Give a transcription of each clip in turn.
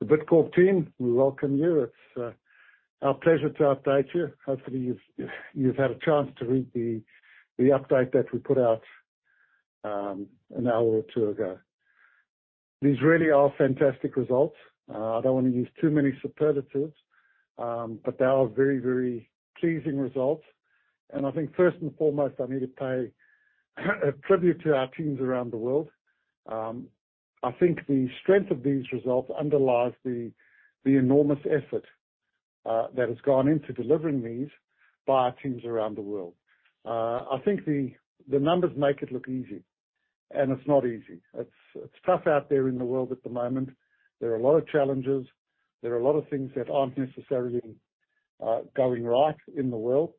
The Bidcorp team, we welcome you. It's our pleasure to update you. Hopefully you've had a chance to read the update that we put out an hour or two ago. These really are fantastic results. I don't wanna use too many superlatives. They are very, very pleasing results. I think first and foremost, I need to pay a tribute to our teams around the world. I think the strength of these results underlies the enormous effort that has gone into delivering these by our teams around the world. I think the numbers make it look easy. It's not easy. It's tough out there in the world at the moment. There are a lot of challenges. There are a lot of things that aren't necessarily going right in the world.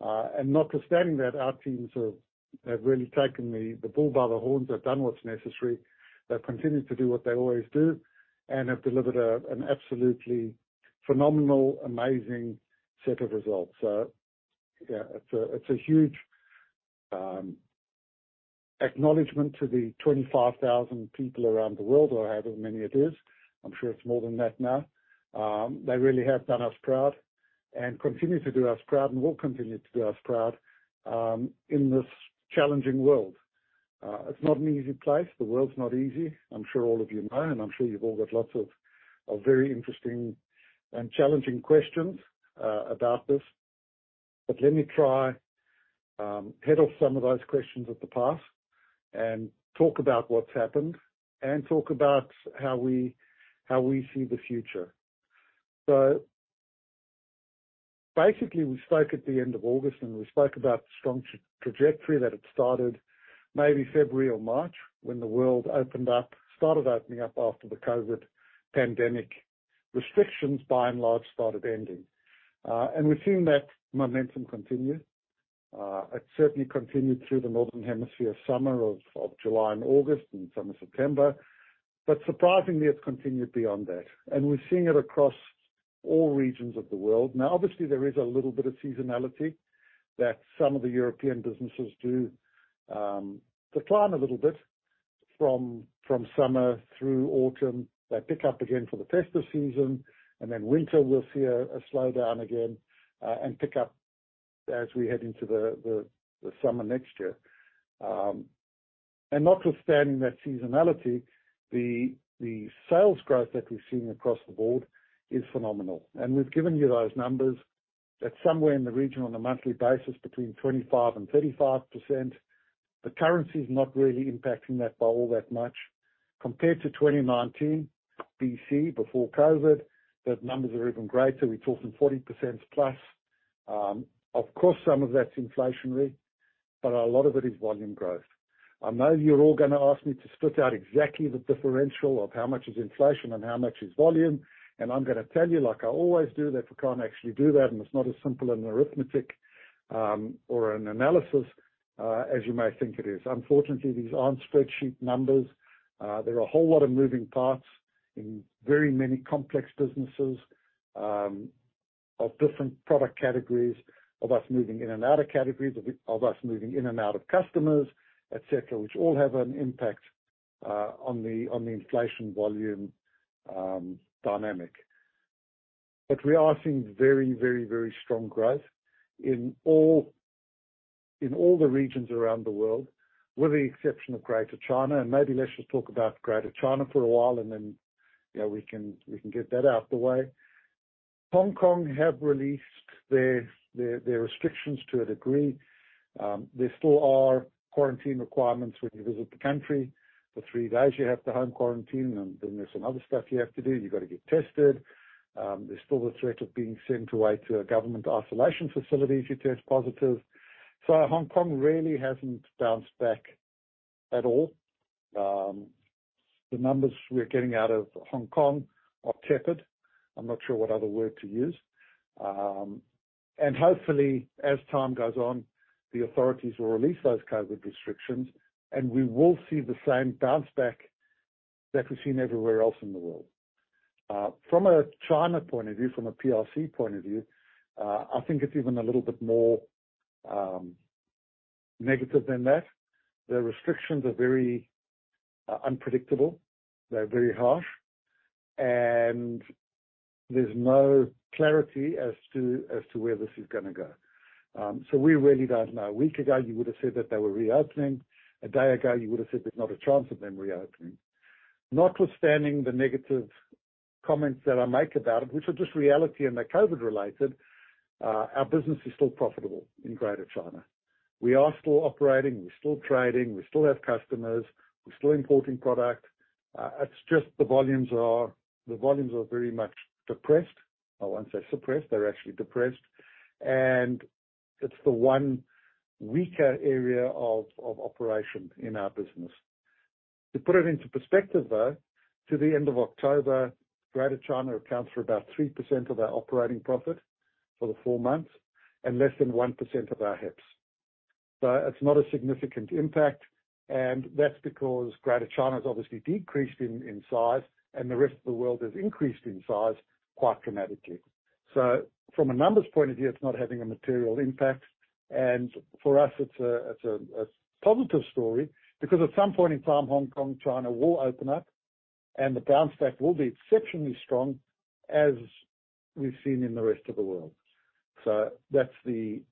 Notwithstanding that, our teams have really taken the bull by the horns, have done what's necessary. They've continued to do what they always do and have delivered an absolutely phenomenal, amazing set of results. Yeah, it's a huge acknowledgement to the 25,000 people around the world or however many it is. I'm sure it's more than that now. They really have done us proud and continue to do us proud and will continue to do us proud in this challenging world. It's not an easy place. The world's not easy. I'm sure all of you know, and I'm sure you've all got lots of very interesting and challenging questions about this. Let me try head off some of those questions at the pass and talk about what's happened and talk about how we, how we see the future. Basically, we spoke at the end of August, and we spoke about the strong trajectory that had started maybe February or March when the world opened up after the COVID pandemic. Restrictions by and large started ending. We've seen that momentum continue. It certainly continued through the Northern Hemisphere summer of July and August and some of September. Surprisingly, it's continued beyond that, and we're seeing it across all regions of the world. Obviously there is a little bit of seasonality that some of the European businesses do decline a little bit from summer through autumn. They pick up again for the festive season, and then winter we'll see a slowdown again, and pick up as we head into the summer next year. Notwithstanding that seasonality, the sales growth that we're seeing across the board is phenomenal. We've given you those numbers that somewhere in the region on a monthly basis between 25%-35%. The currency's not really impacting that by all that much. Compared to 2019 BC, before COVID, those numbers are even greater. We're talking 40%+. Of course, some of that's inflationary, but a lot of it is volume growth. I know you're all gonna ask me to split out exactly the differential of how much is inflation and how much is volume. I'm gonna tell you, like I always do, that we can't actually do that. It's not as simple an arithmetic or an analysis as you may think it is. Unfortunately, these aren't spreadsheet numbers. There are a whole lot of moving parts in very many complex businesses of different product categories, of us moving in and out of categories, of us moving in and out of customers, et cetera, which all have an impact on the inflation volume dynamic. We are seeing very, very, very strong growth in all the regions around the world, with the exception of Greater China. Maybe let's just talk about Greater China for a while, then, you know, we can get that out the way. Hong Kong have released their restrictions to a degree. There still are quarantine requirements when you visit the country. For three days, you have to home quarantine, and then there's some other stuff you have to do. You've got to get tested. There's still the threat of being sent away to a government isolation facility if you test positive. Hong Kong really hasn't bounced back at all. The numbers we're getting out of Hong Kong are tepid. I'm not sure what other word to use. Hopefully as time goes on, the authorities will release those COVID restrictions, and we will see the same bounce back that we've seen everywhere else in the world. From a China point of view, from a PRC point of view, I think it's even a little bit more negative than that. The restrictions are very unpredictable. They're very harsh, and there's no clarity as to where this is gonna go. We really don't know. A week ago, you would've said that they were reopening. A day ago, you would've said there's not a chance of them reopening. Notwithstanding the negative comments that I make about it, which are just reality and they're COVID related, our business is still profitable in Greater China. We are still operating. We're still trading. We still have customers. We're still importing product. It's just the volumes are very much depressed. When I say suppressed, they're actually depressed. It's the one weaker area of operation in our business. To put it into perspective, though, to the end of October, Greater China accounts for about 3% of our operating profit for the four months and less than 1% of our EBIT. It's not a significant impact, and that's because Greater China's obviously decreased in size and the rest of the world has increased in size quite dramatically. From a numbers point of view, it's not having a material impact. For us, it's a positive story because at some point in time, Hong Kong, China will open up and the bounce back will be exceptionally strong as we've seen in the rest of the world. That's the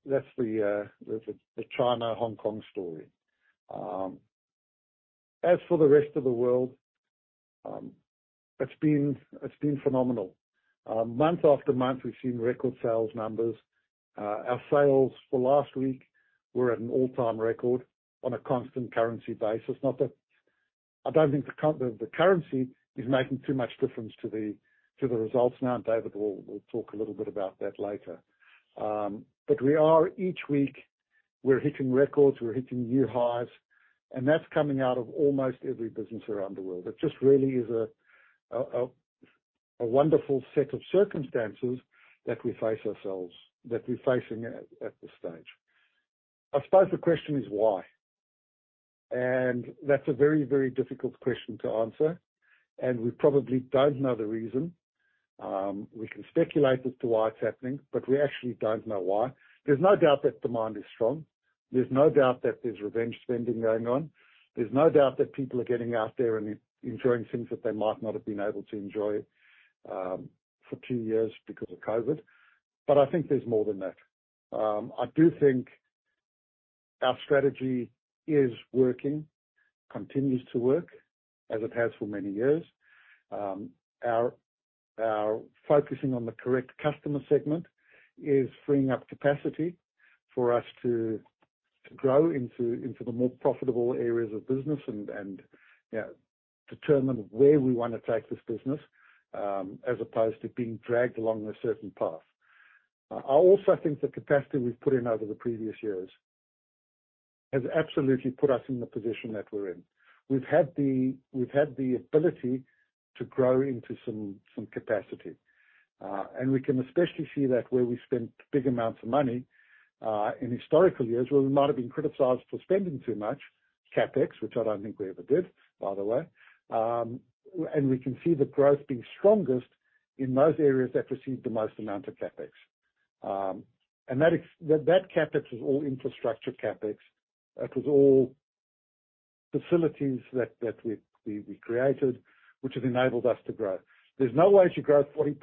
China, Hong Kong story. As for the rest of the world, it's been phenomenal. Month after month, we've seen record sales numbers. Our sales for last week were at an all-time record on a constant currency basis. I don't think the currency is making too much difference to the results. David will talk a little bit about that later. But we are each week, we're hitting records, we're hitting new highs, and that's coming out of almost every business around the world. It just really is a wonderful set of circumstances that we face ourselves, that we're facing at this stage. I suppose the question is why? That's a very, very difficult question to answer. We probably don't know the reason. We can speculate as to why it's happening, but we actually don't know why. There's no doubt that demand is strong. There's no doubt that there's revenge spending going on. There's no doubt that people are getting out there and enjoying things that they might not have been able to enjoy, for two years because of COVID. I think there's more than that. I do think our strategy is working, continues to work as it has for many years. Our focusing on the correct customer segment is freeing up capacity for us to grow into the more profitable areas of business and, you know, determine where we want to take this business, as opposed to being dragged along a certain path. I also think the capacity we've put in over the previous years has absolutely put us in the position that we're in. We've had the ability to grow into some capacity. We can especially see that where we spent big amounts of money in historical years, where we might have been criticized for spending too much CapEx, which I don't think we ever did, by the way. We can see the growth being strongest in those areas that received the most amount of CapEx. That CapEx was all infrastructure CapEx. It was all facilities that we created, which has enabled us to grow. There's no way to grow 40%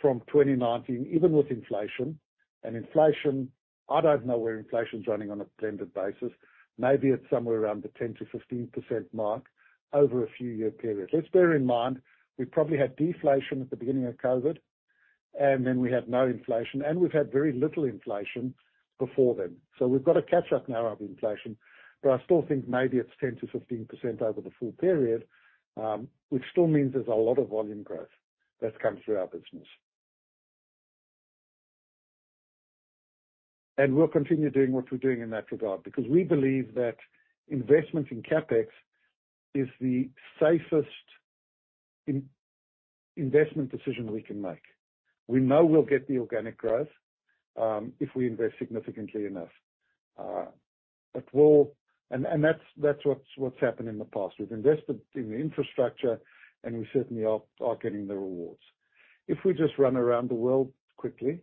from 2019, even with inflation. Inflation, I don't know where inflation is running on a blended basis. Maybe it's somewhere around the 10%-15% mark over a few year period. Let's bear in mind, we probably had deflation at the beginning of COVID, and then we had no inflation, and we've had very little inflation before then. We've got to catch up now of inflation. I still think maybe it's 10%-15% over the full period, which still means there's a lot of volume growth that's come through our business. We'll continue doing what we're doing in that regard because we believe that investment in CapEx is the safest in-investment decision we can make. We know we'll get the organic growth, if we invest significantly enough. That's what's happened in the past. We've invested in the infrastructure, and we certainly are getting the rewards. If we just run around the world quickly,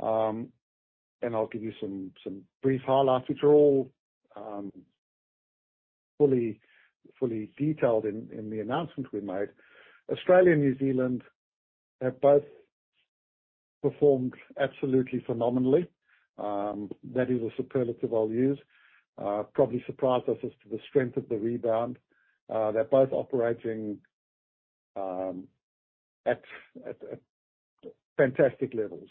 and I'll give you some brief highlights, which are all fully detailed in the announcement we made. Australia and New Zealand have both performed absolutely phenomenally. That is a superlative I'll use. Probably surprised us as to the strength of the rebound. They're both operating at fantastic levels.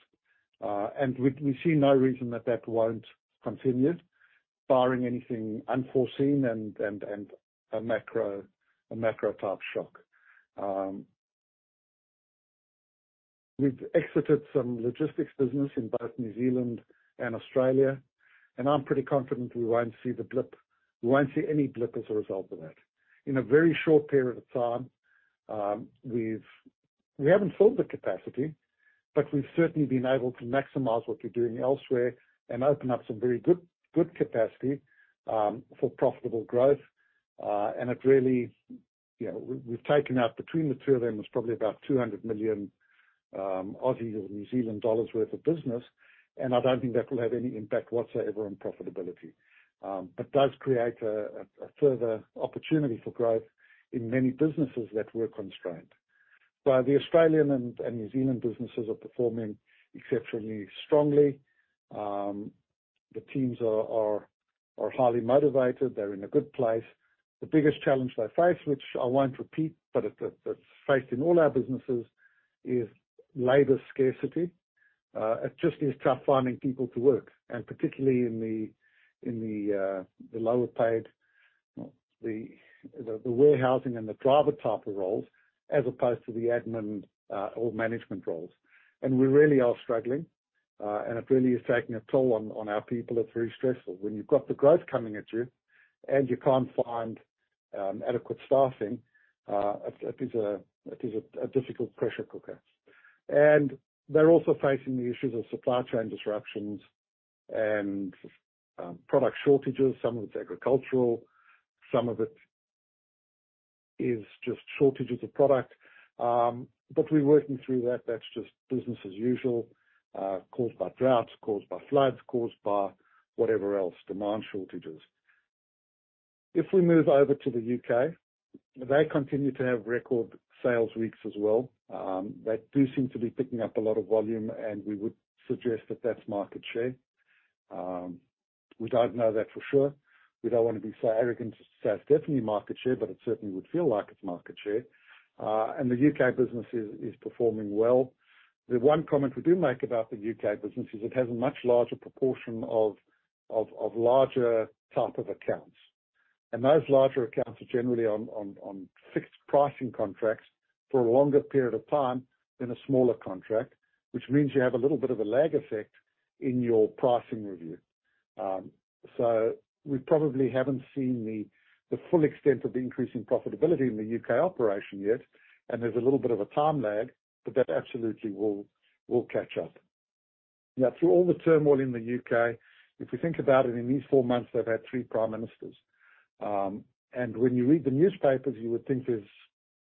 We, we see no reason that that won't continue barring anything unforeseen and a macro type shock. We've exited some logistics business in both New Zealand and Australia, and I'm pretty confident we won't see the blip. We won't see any blip as a result of that. In a very short period of time, we haven't sold the capacity, but we've certainly been able to maximize what we're doing elsewhere and open up some very good capacity for profitable growth. It really, you know, we've taken out between the two of them is probably about 200 million or NZD 200 million worth of business, and I don't think that will have any impact whatsoever on profitability. Does create a further opportunity for growth in many businesses that were constrained. The Australian and New Zealand businesses are performing exceptionally strongly. The teams are highly motivated. They're in a good place. The biggest challenge they face, which I won't repeat, but it, that's faced in all our businesses, is labor scarcity. It just is tough finding people to work, and particularly in the, in the lower paid, the warehousing and the driver type of roles as opposed to the admin or management roles. We really are struggling, and it really is taking a toll on our people. It's very stressful. When you've got the growth coming at you and you can't find adequate staffing, it is a, it is a difficult pressure cooker. They're also facing the issues of supply chain disruptions and product shortages. Some of it's agricultural, some of it is just shortages of product. We're working through that. That's just business as usual, caused by droughts, caused by floods, caused by whatever else, demand shortages. If we move over to the U.K., they continue to have record sales weeks as well. They do seem to be picking up a lot of volume, we would suggest that that's market share. We don't know that for sure. We don't wanna be so arrogant to say it's definitely market share, it certainly would feel like it's market share. The U.K. business is performing well. The one comment we do make about the U.K. business is it has a much larger proportion of larger type of accounts. Those larger accounts are generally on fixed pricing contracts for a longer period of time than a smaller contract, which means you have a little bit of a lag effect in your pricing review. We probably haven't seen the full extent of the increase in profitability in the U.K. operation yet, and there's a little bit of a time lag, but that absolutely will catch up. Now through all the turmoil in the U.K., if you think about it, in these four months, they've had three prime ministers. When you read the newspapers, you would think there's,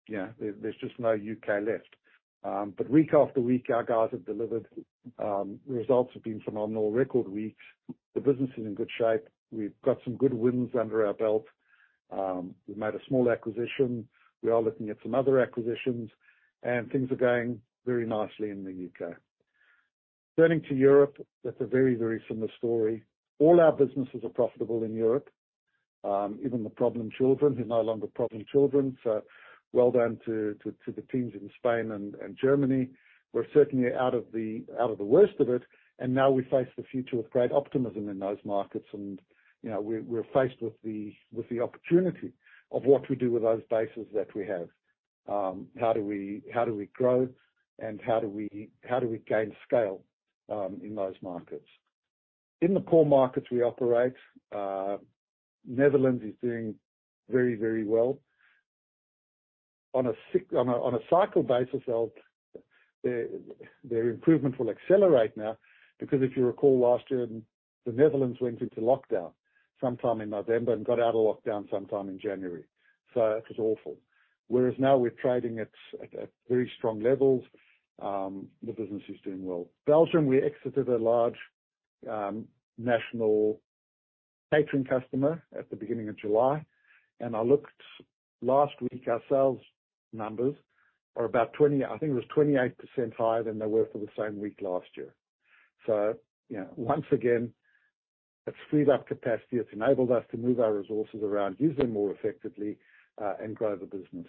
you know, there's just no U.K. left. Week after week, our guys have delivered. Results have been phenomenal. Record weeks. The business is in good shape. We've got some good wins under our belt. We made a small acquisition. We are looking at some other acquisitions, and things are going very nicely in the U.K.. Turning to Europe, that's a very, very similar story. All our businesses are profitable in Europe, even the problem children who are no longer problem children. Well done to the teams in Spain and Germany. We're certainly out of the, out of the worst of it, and now we face the future with great optimism in those markets. You know, we're faced with the, with the opportunity of what we do with those bases that we have. How do we, how do we grow, and how do we, how do we gain scale in those markets? In the core markets we operate, Netherlands is doing very, very well. On a cycle basis, their improvement will accelerate now because if you recall last year, the Netherlands went into lockdown sometime in November and got out of lockdown sometime in January. It was awful. Whereas now we're trading at very strong levels. The business is doing well. Belgium, we exited a large national customer at the beginning of July. I looked last week, our sales numbers are about 28% higher than they were for the same week last year. You know, once again, it's freed up capacity. It's enabled us to move our resources around, use them more effectively and grow the business.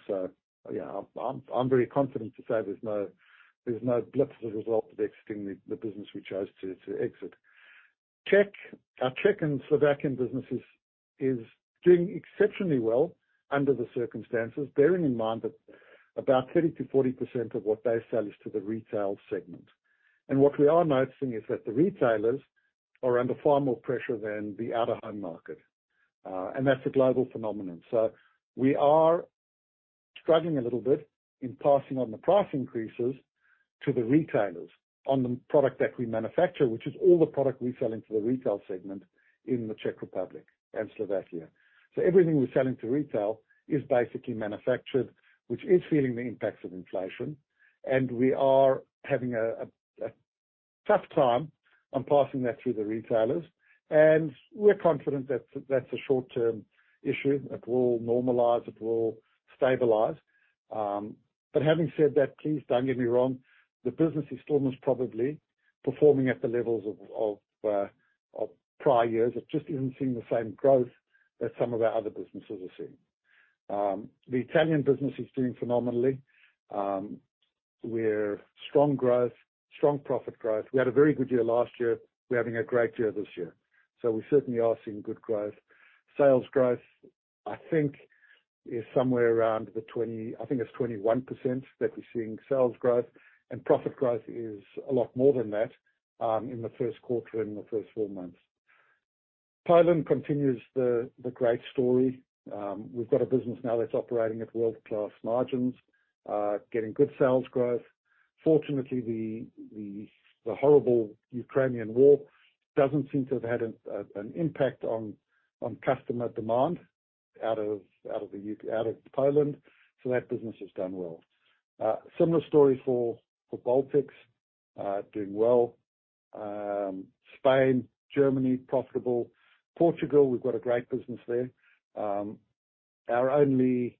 Yeah. I'm very confident to say there's no blip as a result of exiting the business we chose to exit. Czech. Our Czech and Slovakian businesses is doing exceptionally well under the circumstances, bearing in mind that about 30%-40% of what they sell is to the retail segment. What we are noticing is that the retailers are under far more pressure than the out-of-home market, and that's a global phenomenon. We are struggling a little bit in passing on the price increases to the retailers on the product that we manufacture, which is all the product we sell into the retail segment in the Czech Republic and Slovakia. Everything we're selling to retail is basically manufactured, which is feeling the impacts of inflation. We are having a tough time on passing that through the retailers. We're confident that that's a short-term issue. It will normalize. It will stabilize. Having said that, please don't get me wrong, the business is still most probably performing at the levels of prior years. It just isn't seeing the same growth that some of our other businesses are seeing. The Italian business is doing phenomenally. We're strong growth, strong profit growth. We had a very good year last year. We're having a great year this year. We certainly are seeing good growth. Sales growth, I think is somewhere around the 21% that we're seeing sales growth. Profit growth is a lot more than that in the first quarter, in the first four months. Thailand continues the great story. We've got a business now that's operating at world-class margins, getting good sales growth. Fortunately, the horrible Ukrainian war doesn't seem to have had an impact on customer demand out of Thailand. That business has done well. Similar story for Baltics, doing well. Spain, Germany, profitable. Portugal, we've got a great business there. Our only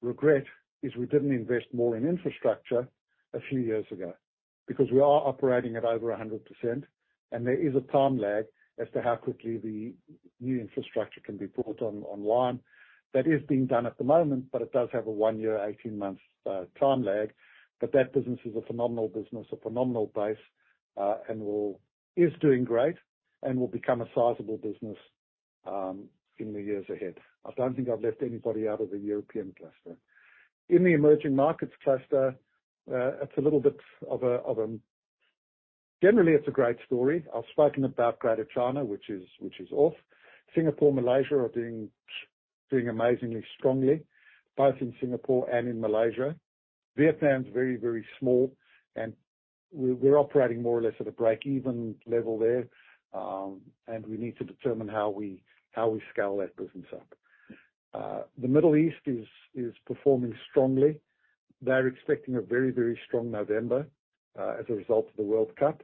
regret is we didn't invest more in infrastructure a few years ago because we are operating at over 100%, and there is a time lag as to how quickly the new infrastructure can be brought on-online. That is being done at the moment, it does have a one year, 18 months time lag. That business is a phenomenal business, a phenomenal base, is doing great and will become a sizable business in the years ahead. I don't think I've left anybody out of the European cluster. In the emerging markets cluster, generally, it's a great story. I've spoken about Greater China, which is off. Singapore, Malaysia are doing amazingly strongly, both in Singapore and in Malaysia. Vietnam is very, very small and we're operating more or less at a break-even level there. We need to determine how we scale that business up. The Middle East is performing strongly. They're expecting a very, very strong November as a result of the World Cup.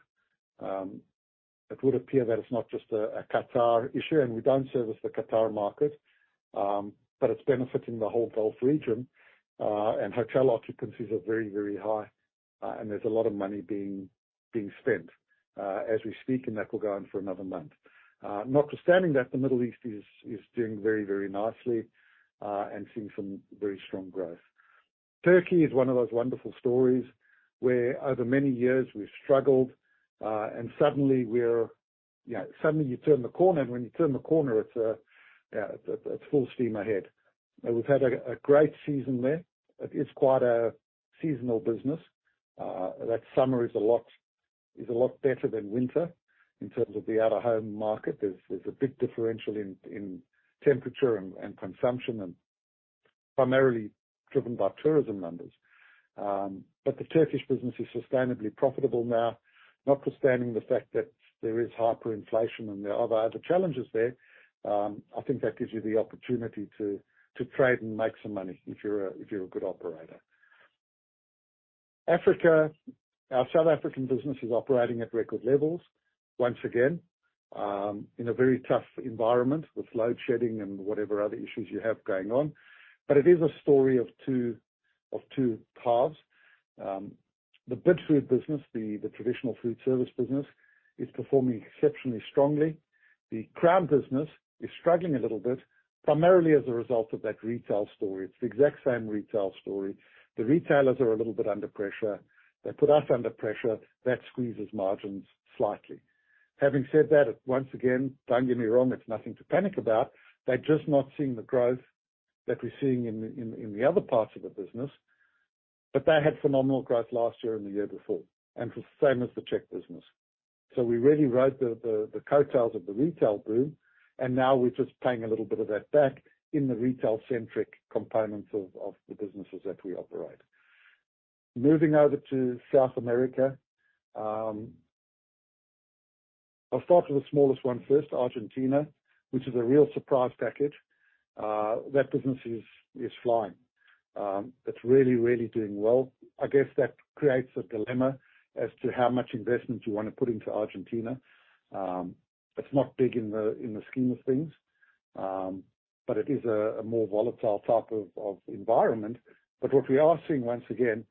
It would appear that it's not just a Qatar issue. We don't service the Qatar market. It's benefiting the whole Gulf region. Hotel occupancies are very, very high. There's a lot of money being spent as we speak. That will go on for another month. Notwithstanding that, the Middle East is doing very, very nicely, seeing some very strong growth. Turkey is one of those wonderful stories where over many years we've struggled, and suddenly we're. Yeah. Suddenly you turn the corner, and when you turn the corner, it's full steam ahead. We've had a great season there. It is quite a seasonal business. That summer is a lot better than winter in terms of the out-of-home market. There's a big differential in temperature and consumption and primarily driven by tourism numbers. The Turkish business is sustainably profitable now. Notwithstanding the fact that there is hyperinflation and there are other challenges there, I think that gives you the opportunity to trade and make some money if you're a good operator. Africa. Our South African business is operating at record levels. Once again, in a very tough environment with load shedding and whatever other issues you have going on. It is a story of two halves. The Bidfood business, the traditional food service business, is performing exceptionally strongly. The Crown business is struggling a little bit, primarily as a result of that retail story. It's the exact same retail story. The retailers are a little bit under pressure. They put us under pressure. That squeezes margins slightly. Having said that, once again, don't get me wrong, it's nothing to panic about. They're just not seeing the growth that we're seeing in the other parts of the business. They had phenomenal growth last year and the year before, and the same as the Czech business. We really rode the coattails of the retail boom. Now we're just paying a little bit of that back in the retail-centric components of the businesses that we operate. Moving over to South America. I'll start with the smallest one first, Argentina, which is a real surprise package. That business is flying. It's really doing well. I guess that creates a dilemma as to how much investment you wanna put into Argentina. It's not big in the scheme of things, but it is a more volatile type of environment. What we are seeing, once again,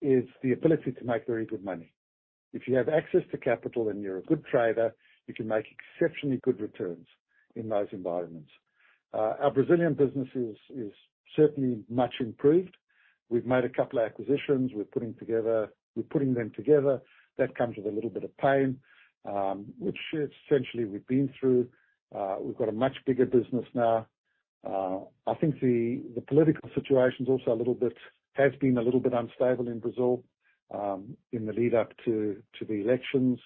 is the ability to make very good money. If you have access to capital and you're a good trader, you can make exceptionally good returns in those environments. Our Brazilian business is certainly much improved. We've made a couple of acquisitions. We're putting them together. That comes with a little bit of pain, which essentially we've been through. We've got a much bigger business now. I think the political situation is also a little bit, has been a little bit unstable in Brazil, in the lead-up to the elections.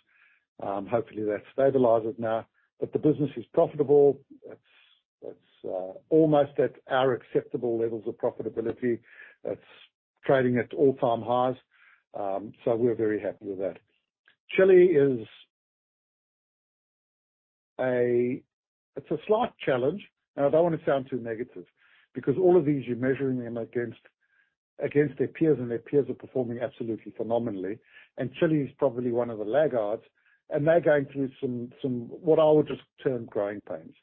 Hopefully that stabilizes now. The business is profitable. It's almost at our acceptable levels of profitability. It's trading at all-time highs. We're very happy with that. Chile is a slight challenge. Now, I don't wanna sound too negative because all of these, you're measuring them against their peers, and their peers are performing absolutely phenomenally. Chile is probably one of the laggards, and they're going through some, what I would just term growing pains.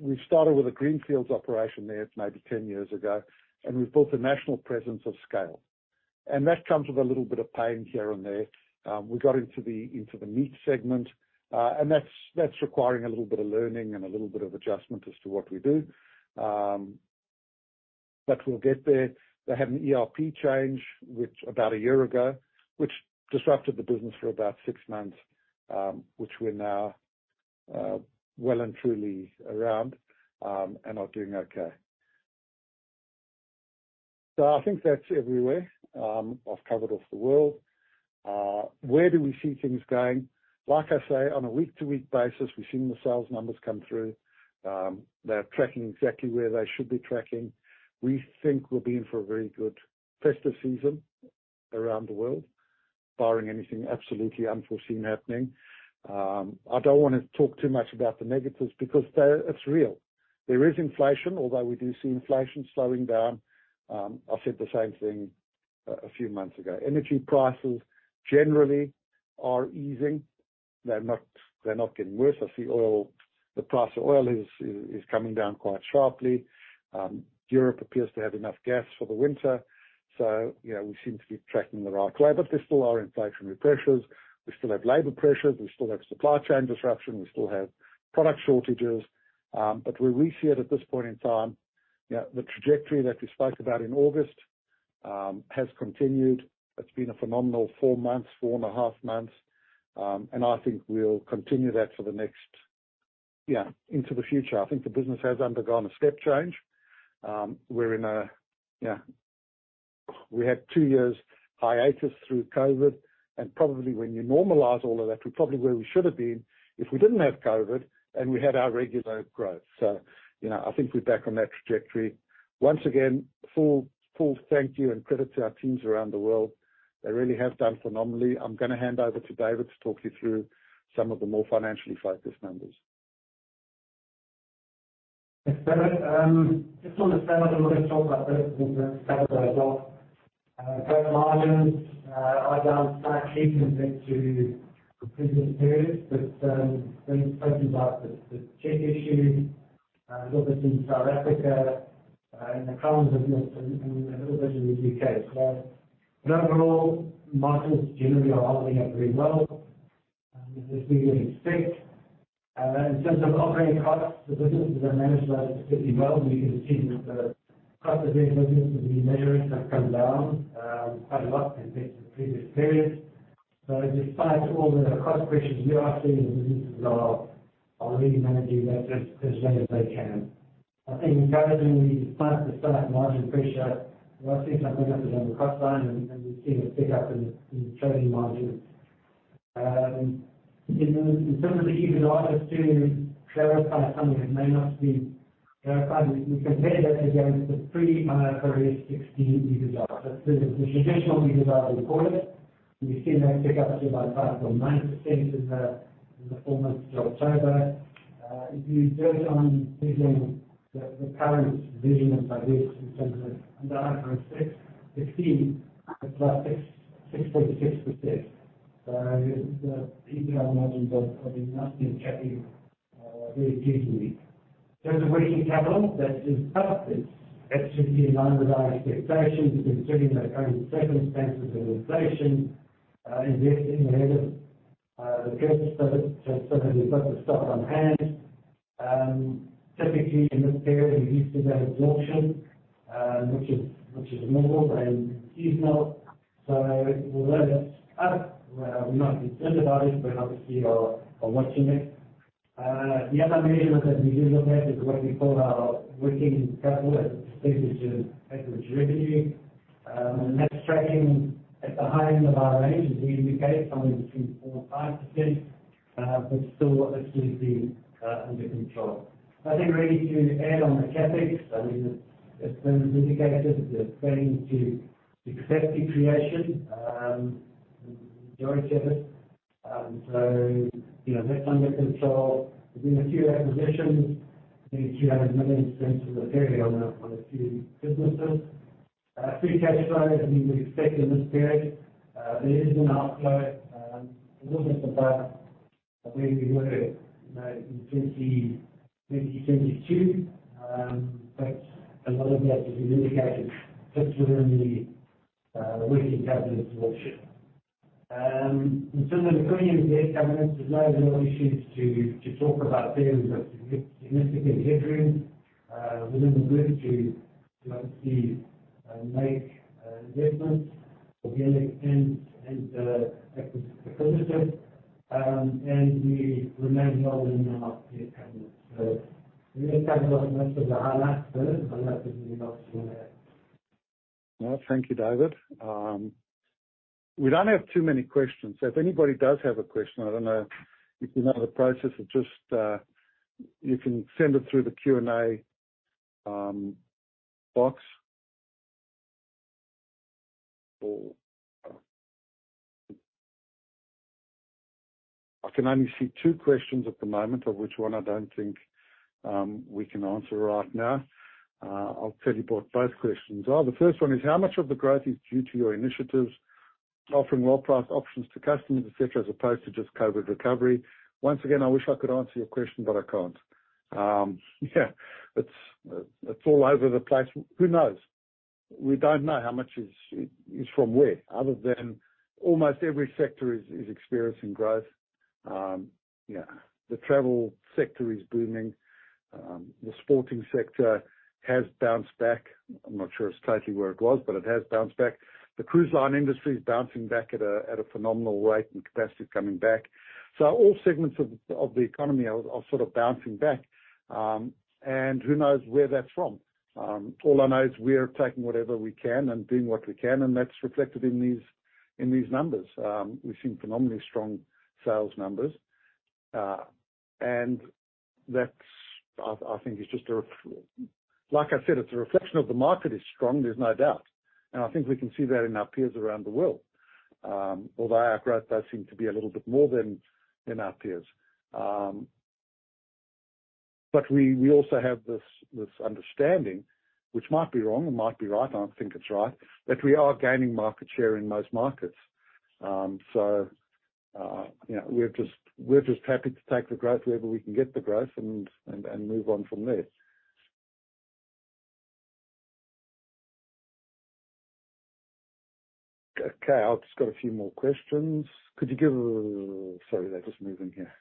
We've started with a greenfields operation there, it's maybe 10 years ago, and we've built a national presence of scale. That comes with a little bit of pain here and there. We got into the meat segment, and that's requiring a little bit of learning and a little bit of adjustment as to what we do. We'll get there. They had an ERP change, which about one year ago, which disrupted the business for about six months, which we're now well and truly around and are doing okay. I think that's everywhere, I've covered off the world. Where do we see things going? Like I say, on a week-to-week basis, we're seeing the sales numbers come through. They're tracking exactly where they should be tracking. We think we'll be in for a very good festive season around the world, barring anything absolutely unforeseen happening. I don't wanna talk too much about the negatives because it's real. There is inflation, although we do see inflation slowing down. I said the same thing a few months ago. Energy prices generally are easing. They're not getting worse. I see oil, the price of oil is coming down quite sharply. Europe appears to have enough gas for the winter. You know, we seem to be tracking the right way. There still are inflationary pressures. We still have labor pressures. We still have supply chain disruption. We still have product shortages. Where we see it at this point in time, you know, the trajectory that we spoke about in August has continued. It's been a phenomenal four months, four and a half months. I think we'll continue that for the next, into the future. I think the business has undergone a step change. We're in a, we had two years hiatus through COVID, and probably when you normalize all of that, we're probably where we should have been if we didn't have COVID and we had our regular growth. You know, I think we're back on that trajectory. Once again, full thank you and credit to our teams around the world. They really have done phenomenally. I'm gonna hand over to David to talk you through some of the more financially focused numbers. It's David. Just on the sales, I'm not gonna talk about that. I think we've covered that well. Gross margins are down slightly compared to the previous period, but when you factor in like the chip issue, a little bit in South Africa, and a little bit in the U.K.. Overall, margins generally are holding up very well in this really unique space. In terms of operating costs, the businesses are managed that particularly well. We can see that the cost of doing business and the measurements have come down quite a lot compared to the previous period. Despite all the cost pressures we are seeing, the businesses are really managing that as well as they can. I think encouragingly despite the slight margin pressure, we are seeing some benefit on the cross-line and we've seen a pickup in trading margins. In terms of the EBITDA, just to clarify something that may not be clarified. We compare that against the pre IFRS 16 EBITDA. That's the traditional EBITDA reported. We've seen that pick up to about 5.9% in the four months to October. If you just on vision, the current vision and predictions in terms of under IFRS 16, it's about 6.6%. The EBITDA margins are nothing to be really deeply. In terms of working capital, that is up. It's absolutely in line with our expectations, considering the current circumstances of inflation, investing ahead of the Christmas period, so we've got the stock on hand. Typically in this period we used to go absorption, which is normal, but this year's not. Although that's up, we're not concerned about it, but obviously are watching it. The other measure that we do look at is what we call our working capital as a percentage of average revenue. That's tracking at the high end of our range, as we indicate, somewhere between 4% or 5%, but still absolutely under control. Nothing really to add on the CapEx other than as Bernie has indicated, it's according to expected creation. As George said it. You know, that's under control. There's been a few acquisitions, nearly ZAR 300 million spent in the period on a few businesses. Free cash flow as we would expect in this period, there is an outflow, a little bit above where we were, you know, in 2022. A lot of that has been indicated just within the working capital absorption. In terms of the company and debt covenants, there's no real issues to talk about there. We've got significant headroom within the group to obviously make investments organic and acquisitively. We remain well within our debt covenants. The only covenants I mentioned are not met, that is really not somewhere. Well, thank you, David. We don't have too many questions. If anybody does have a question, I don't know if you know the process of just, you can send it through the Q&A box. I can only see two questions at the moment, of which one I don't think we can answer right now. I'll tell you what both questions are. The first one is how much of the growth is due to your initiatives offering well-priced options to customers, etc, as opposed to just COVID-19 recovery? Once again, I wish I could answer your question, but I can't. Yeah, it's all over the place. Who knows? We don't know how much is from where other than almost every sector is experiencing growth. Yeah, the travel sector is booming. The sporting sector has bounced back. I'm not sure it's totally where it was, but it has bounced back. The cruise line industry is bouncing back at a phenomenal rate, and capacity is coming back. All segments of the economy are sort of bouncing back. Who knows where that's from. All I know is we are taking whatever we can and doing what we can, and that's reflected in these numbers. We've seen phenomenally strong sales numbers. That's I think is just a Like I said, it's a reflection of the market is strong, there's no doubt. I think we can see that in our peers around the world. Although our growth does seem to be a little bit more than in our peers. But we also have this understanding, which might be wrong and might be right. I think it's right, that we are gaining market share in most markets. You know, we're just happy to take the growth wherever we can get the growth and move on from there. Okay, I've just got a few more questions. Sorry, they're just moving here.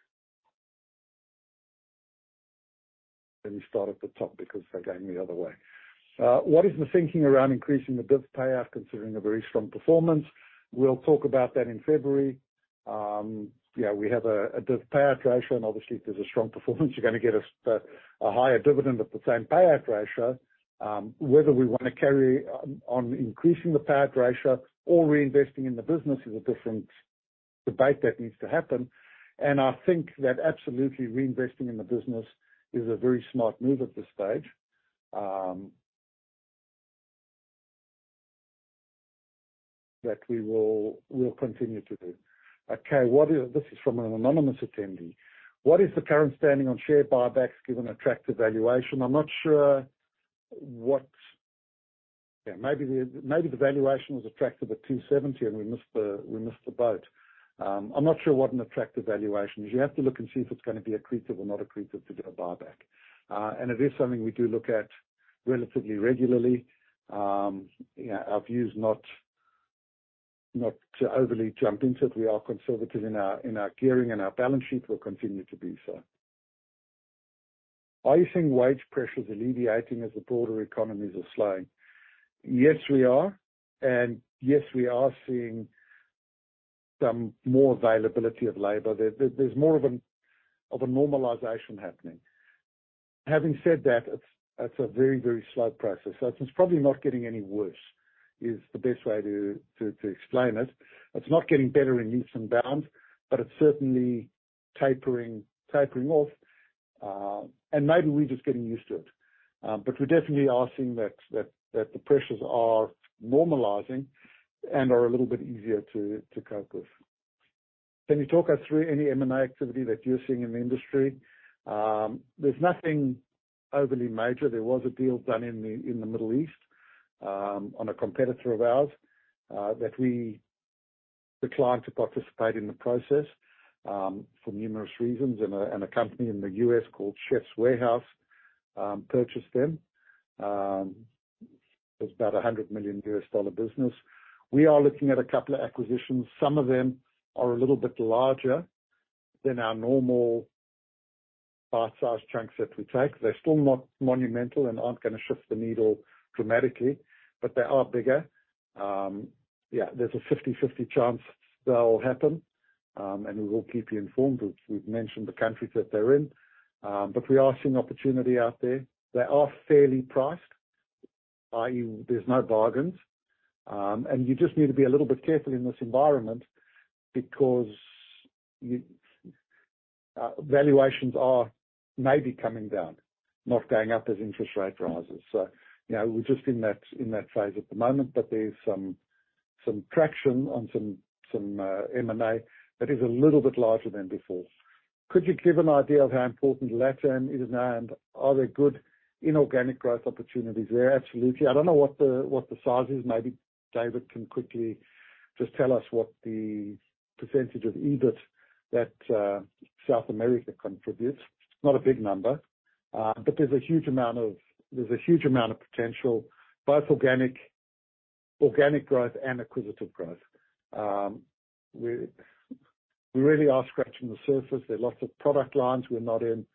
Let me start at the top because they're going the other way. What is the thinking around increasing the div payout considering a very strong performance? We'll talk about that in February. Yeah, we have a div payout ratio, and obviously if there's a strong performance, you're gonna get a higher dividend at the same payout ratio. Whether we wanna carry on increasing the payout ratio or reinvesting in the business is a different debate that needs to happen. I think that absolutely reinvesting in the business is a very smart move at this stage. That we will, we'll continue to do. What is... This is from an anonymous attendee. What is the current standing on share buybacks given attractive valuation? I'm not sure what. Yeah, maybe the valuation was attractive at 270 million, and we missed the boat. I'm not sure what an attractive valuation is. You have to look and see if it's gonna be accretive or not accretive to do a buyback. It is something we do look at relatively regularly. Yeah, our view is not to overly jump into it. We are conservative in our gearing and our balance sheet. We'll continue to be so. Are you seeing wage pressures alleviating as the broader economies are slowing? Yes, we are. Yes, we are seeing some more availability of labor. There's more of a normalization happening. Having said that, it's a very, very slow process. It's probably not getting any worse, is the best way to explain it. It's not getting better in leaps and bounds, but it's certainly tapering off. Maybe we're just getting used to it. We definitely are seeing that the pressures are normalizing and are a little bit easier to cope with. Can you talk us through any M&A activity that you're seeing in the industry? There's nothing overly major. There was a deal done in the Middle East on a competitor of ours that we declined to participate in the process for numerous reasons. A company in the U.S. called Chefs' Warehouse purchased them. It was about a $100 million business. We are looking at a couple of acquisitions. Some of them are a little bit larger than our normal bite-sized chunks that we take. They're still not monumental and aren't gonna shift the needle dramatically, but they are bigger. Yeah, there's a 50/50 chance they'll happen. We will keep you informed. We've mentioned the countries that they're in. We are seeing opportunity out there. They are fairly priced. I.e., there's no bargains. You just need to be a little bit careful in this environment because valuations are maybe coming down, not going up as interest rate rises. You know, we're just in that, in that phase at the moment, but there is some traction on some M&A that is a little bit larger than before. Could you give an idea of how important LATAM is now, and are there good inorganic growth opportunities there? Absolutely. I don't know what the, what the size is. Maybe David can quickly just tell us what the percentage of EBIT that South America contributes. Not a big number. There's a huge amount of potential, both organic growth and acquisitive growth. We really are scratching the surface. There are lots of product lines we're not in.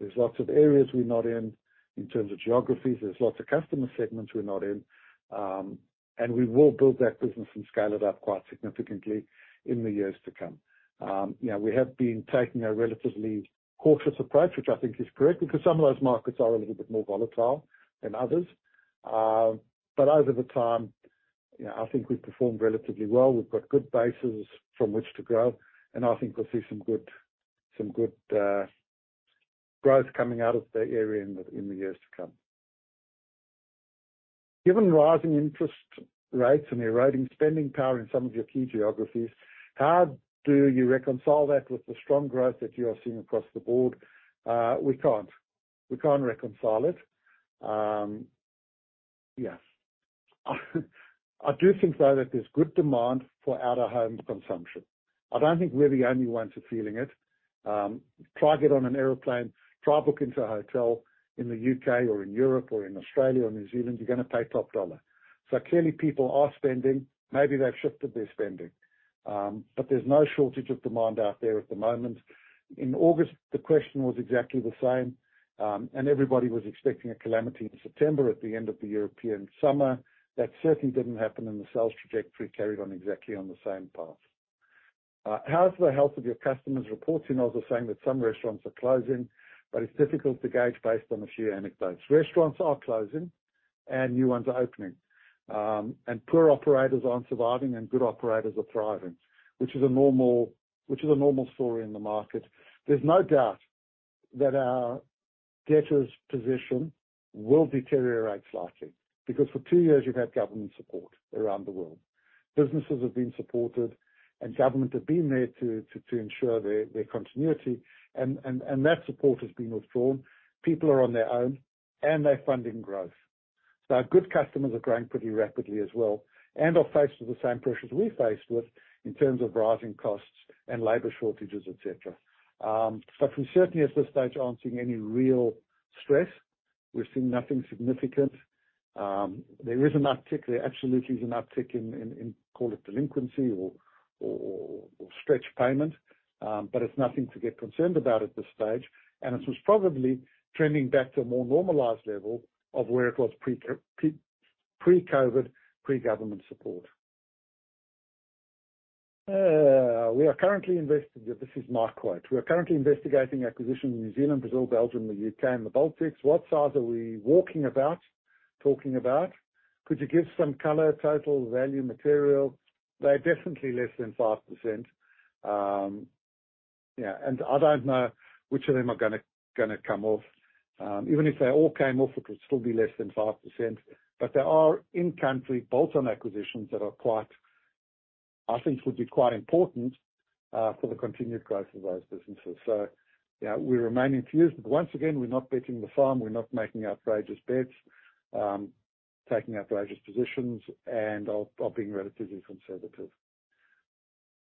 There's lots of areas we're not in in terms of geographies. There's lots of customer segments we're not in. We will build that business and scale it up quite significantly in the years to come. You know, we have been taking a relatively cautious approach, which I think is correct because some of those markets are a little bit more volatile than others. Over the time, you know, I think we've performed relatively well. We've got good bases from which to grow, and I think we'll see some good growth coming out of the area in the years to come. Given rising interest rates and eroding spending power in some of your key geographies, how do you reconcile that with the strong growth that you are seeing across the board? We can't. We can't reconcile it. Yes. I do think, though, that there's good demand for out-of-home consumption. I don't think we're the only ones who are feeling it. Try get on an airplane. Try book into a hotel in the U.K. or in Europe or in Australia or New Zealand. You're gonna pay top dollar. Clearly, people are spending. Maybe they've shifted their spending. There's no shortage of demand out there at the moment. In August, the question was exactly the same. Everybody was expecting a calamity in September at the end of the European summer. That certainly didn't happen. The sales trajectory carried on exactly on the same path. How is the health of your customers reporting? I was saying that some restaurants are closing, but it's difficult to gauge based on a few anecdotes. Restaurants are closing. New ones are opening. Poor operators aren't surviving, and good operators are thriving, which is a normal story in the market. There's no doubt that our debtors' position will deteriorate slightly because for two years you've had government support around the world. Businesses have been supported, and government have been there to ensure their continuity. That support has been withdrawn. People are on their own, and they're funding growth. Our good customers are growing pretty rapidly as well and are faced with the same pressures we're faced with in terms of rising costs and labor shortages, et cetera. We certainly, at this stage, aren't seeing any real stress. We're seeing nothing significant. There is an uptick. There absolutely is an uptick in call it delinquency or stretch payment. It's nothing to get concerned about at this stage. This was probably trending back to a more normalized level of where it was pre-COVID, pre-government support. We are currently investing. This is my quote. We are currently investigating acquisition in New Zealand, Brazil, Belgium, the U.K., and the Baltics. What size are we talking about? Could you give some color, total value material? They're definitely less than 5%. I don't know which of them are gonna come off. Even if they all came off, it would still be less than 5%. There are in-country bolt-on acquisitions that are quite, I think would be quite important, for the continued growth of those businesses. We remain infused. Once again, we're not betting the farm, we're not making outrageous bets, taking outrageous positions, and are being relatively conservative.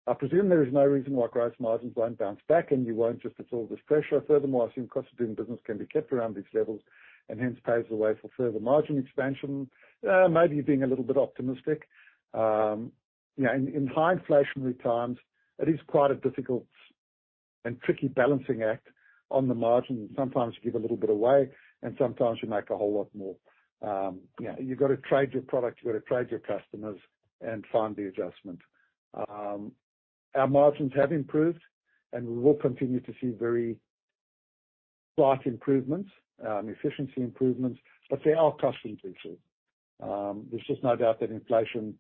I presume there is no reason why gross margins won't bounce back, and you won't just absorb this pressure. Furthermore, I assume cost of doing business can be kept around these levels, and hence paves the way for further margin expansion. Maybe being a little bit optimistic. Yeah, in high inflationary times, it is quite a difficult and tricky balancing act on the margin. Sometimes you give a little bit away, and sometimes you make a whole lot more. Yeah, you've got to trade your product, you've got to trade your customers and find the adjustment. Our margins have improved, and we will continue to see very slight improvements, efficiency improvements, but there are cost increases. There's just no doubt that inflation,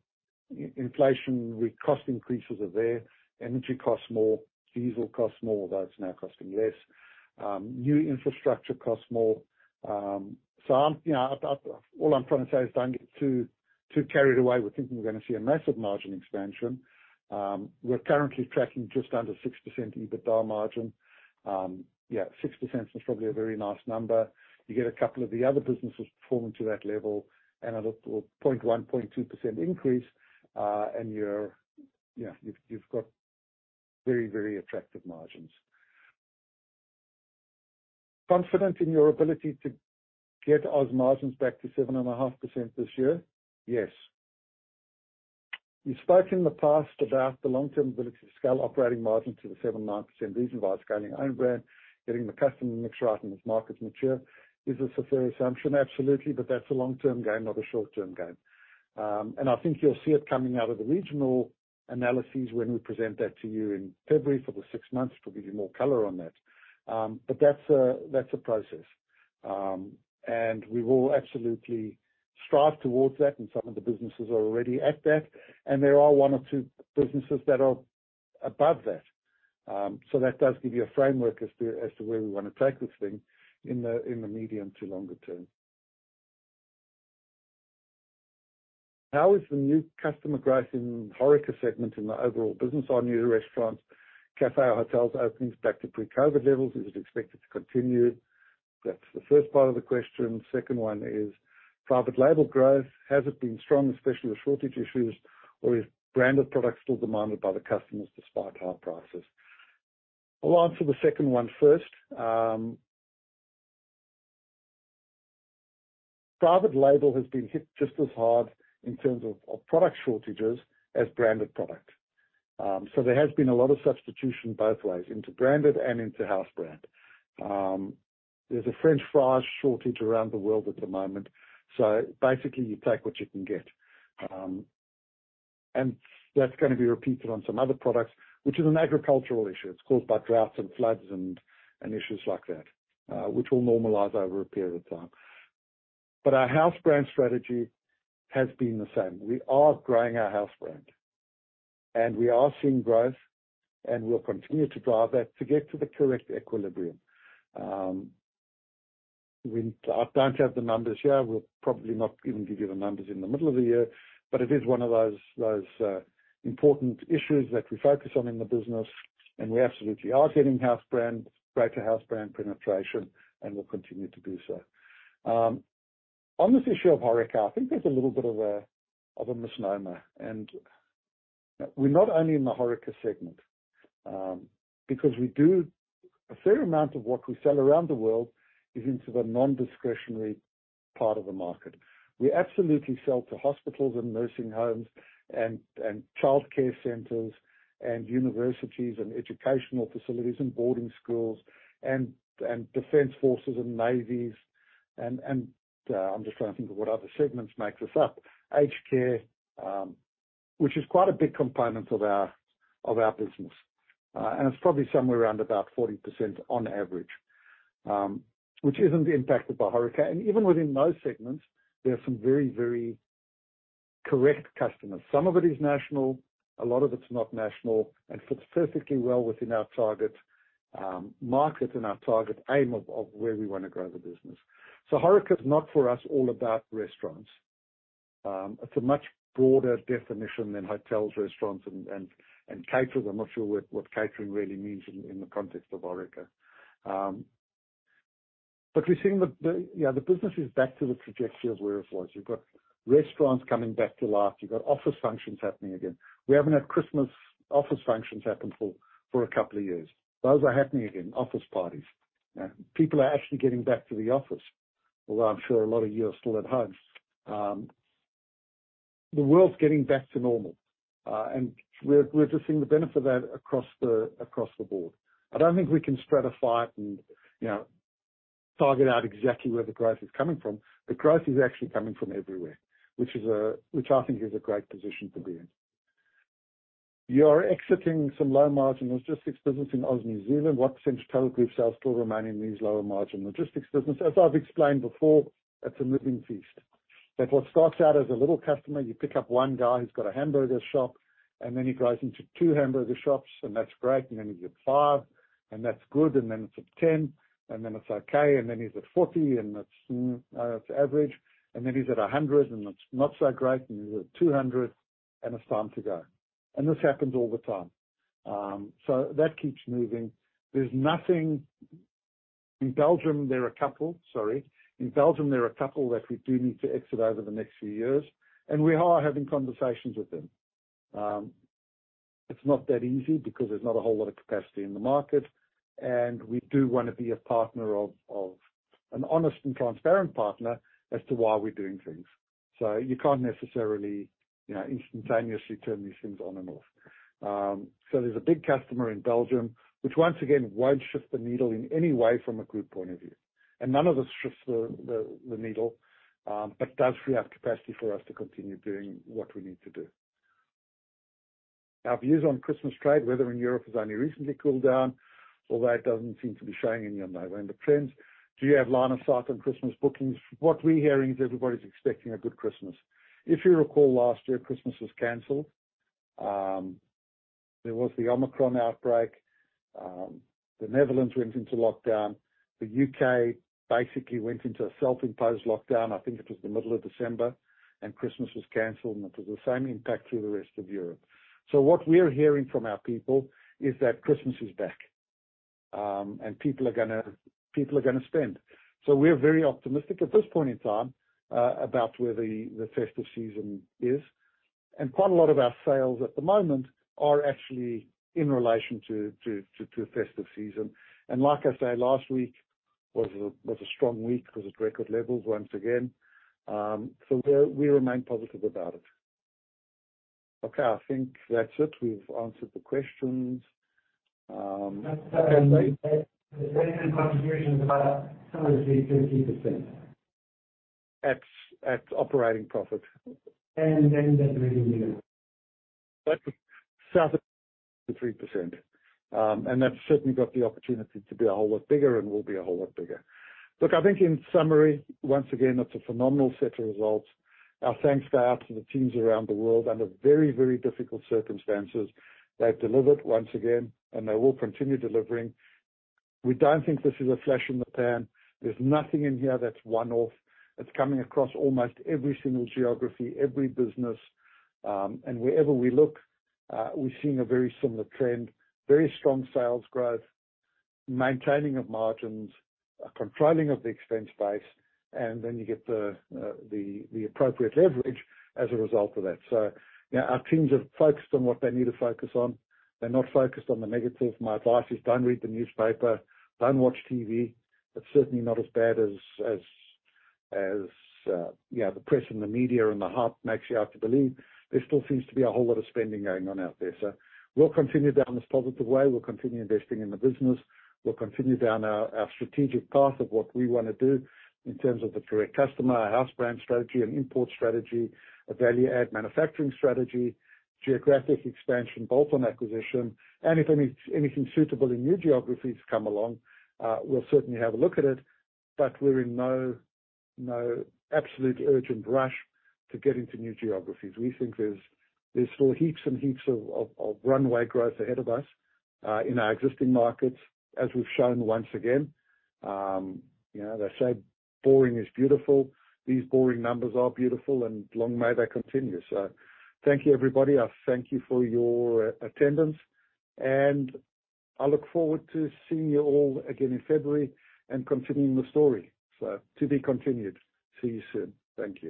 inflationary cost increases are there. Energy costs more, diesel costs more. Although it's now costing less. New infrastructure costs more. I'm, you know, all I'm trying to say is don't get too carried away with thinking we're gonna see a massive margin expansion. We're currently tracking just under 6% EBITDA margin. Yeah, 6% is probably a very nice number. You get a couple of the other businesses performing to that level and a little 0.1%, 0.2% increase, and you're, yeah, you've got very attractive margins. Confident in your ability to get Australia margins back to 7.5% this year? Yes. You spoke in the past about the long-term ability to scale operating margin to the 7%-9% reason by scaling own brand, getting the customer mix right as markets mature. Is this a fair assumption? Absolutely. That's a long-term game, not a short-term game. I think you'll see it coming out of the regional analyses when we present that to you in February for the six months. We'll give you more color on that. That's a process. We will absolutely strive towards that, and some of the businesses are already at that. There are one or two businesses that are above that. That does give you a framework as to where we wanna take this thing in the medium to longer term. How is the new customer growth in Horeca segment in the overall business? Are new restaurants, cafe or hotels openings back to pre-COVID levels? Is it expected to continue? That's the first part of the question. Second one is, private label growth, has it been strong, especially with shortage issues, or is branded products still demanded by the customers despite high prices? I'll answer the second one first. Private label has been hit just as hard in terms of product shortages as branded product. There has been a lot of substitution both ways, into branded and into house brand. There's a french fries shortage around the world at the moment, basically you take what you can get. That's gonna be repeated on some other products, which is an agricultural issue. It's caused by droughts and floods and issues like that, which will normalize over a period of time. Our house brand strategy has been the same. We are growing our house brand, and we are seeing growth, and we'll continue to drive that to get to the correct equilibrium. I don't have the numbers here. We'll probably not even give you the numbers in the middle of the year, it is one of those important issues that we focus on in the business, we absolutely are getting house brand, greater house brand penetration, and will continue to do so. On this issue of Horeca, I think there's a little bit of a misnomer. We're not only in the Horeca segment, because we do a fair amount of what we sell around the world is into the non-discretionary part of the market. We absolutely sell to hospitals and nursing homes and childcare centers and universities and educational facilities and boarding schools and defense forces and navies and I'm just trying to think of what other segments makes this up. Aged care, which is quite a big component of our business. It's probably somewhere around about 40% on average, which isn't impacted by Horeca. Even within those segments, there are some very, very correct customers. Some of it is national, a lot of it's not national, and fits perfectly well within our target market and our target aim of where we wanna grow the business. Horeca is not for us all about restaurants. It's a much broader definition than hotels, restaurants and catering. I'm not sure what catering really means in the context of Horeca. We're seeing the, you know, the business is back to the trajectory of where it was. You've got restaurants coming back to life. You've got office functions happening again. We haven't had Christmas office functions happen for a couple of years. Those are happening again, office parties. People are actually getting back to the office, although I'm sure a lot of you are still at home. The world's getting back to normal. We're just seeing the benefit of that across the board. I don't think we can stratify it and, you know, target out exactly where the growth is coming from. The growth is actually coming from everywhere, which I think is a great position to be in. You are exiting some low-margin logistics business in Australia, New Zealand. What % of total group sales still remain in these lower margin logistics business? As I've explained before, it's a moving feast. What starts out as a little customer, you pick up one guy who's got a hamburger shop, and then he grows into two hamburger shops, and that's great. Then he's at five, and that's good, then it's at 10, and then it's okay, then he's at 40, and that's, it's average. Then he's at 100, and it's not so great. He's at 200, and it's time to go. This happens all the time. That keeps moving. There's nothing. In Belgium, there are a couple. Sorry. In Belgium, there are a couple that we do need to exit over the next few years. We are having conversations with them. It's not that easy because there's not a whole lot of capacity in the market. We do wanna be a partner, an honest and transparent partner as to why we're doing things. You can't necessarily, you know, instantaneously turn these things on and off. There's a big customer in Belgium which once again won't shift the needle in any way from a group point of view. None of this shifts the needle, but does free up capacity for us to continue doing what we need to do. Our views on Christmas trade, weather in Europe has only recently cooled down, although it doesn't seem to be showing in your November trends. Do you have line of sight on Christmas bookings? What we're hearing is everybody's expecting a good Christmas. If you recall last year, Christmas was canceled. There was the Omicron outbreak. The Netherlands went into lockdown. The U.K. basically went into a self-imposed lockdown. I think it was the middle of December, and Christmas was canceled, and it was the same impact through the rest of Europe. What we're hearing from our people is that Christmas is back, and people are gonna spend. We're very optimistic at this point in time about where the festive season is. Quite a lot of our sales at the moment are actually in relation to festive season. Like I say, last week was a strong week 'cause it's record levels once again. We remain positive about it. Okay, I think that's it. We've answered the questions. contribution is about 70%, 30%. At operating profit. Then. That's south of 3%. That's certainly got the opportunity to be a whole lot bigger and will be a whole lot bigger. I think in summary, once again, it's a phenomenal set of results. Our thanks go out to the teams around the world under very, very difficult circumstances. They've delivered once again. They will continue delivering. We don't think this is a flash in the pan. There's nothing in here that's one-off. It's coming across almost every single geography, every business, wherever we look, we're seeing a very similar trend. Very strong sales growth, maintaining of margins, controlling of the expense base, then you get the appropriate leverage as a result of that. You know, our teams have focused on what they need to focus on. They're not focused on the negative. My advice is don't read the newspaper, don't watch TV. It's certainly not as bad as, you know, the press and the media and the harp makes you out to believe. There still seems to be a whole lot of spending going on out there. We'll continue down this positive way. We'll continue investing in the business. We'll continue down our strategic path of what we wanna do in terms of the direct customer, our house brand strategy and import strategy, a value add manufacturing strategy, geographic expansion, bolt-on acquisition. If anything suitable in new geographies come along, we'll certainly have a look at it. We're in no absolute urgent rush to get into new geographies. We think there's still heaps and heaps of runway growth ahead of us in our existing markets as we've shown once again. You know, they say boring is beautiful. These boring numbers are beautiful and long may they continue. Thank you, everybody. I thank you for your attendance, and I look forward to seeing you all again in February and continuing the story. To be continued. See you soon. Thank you.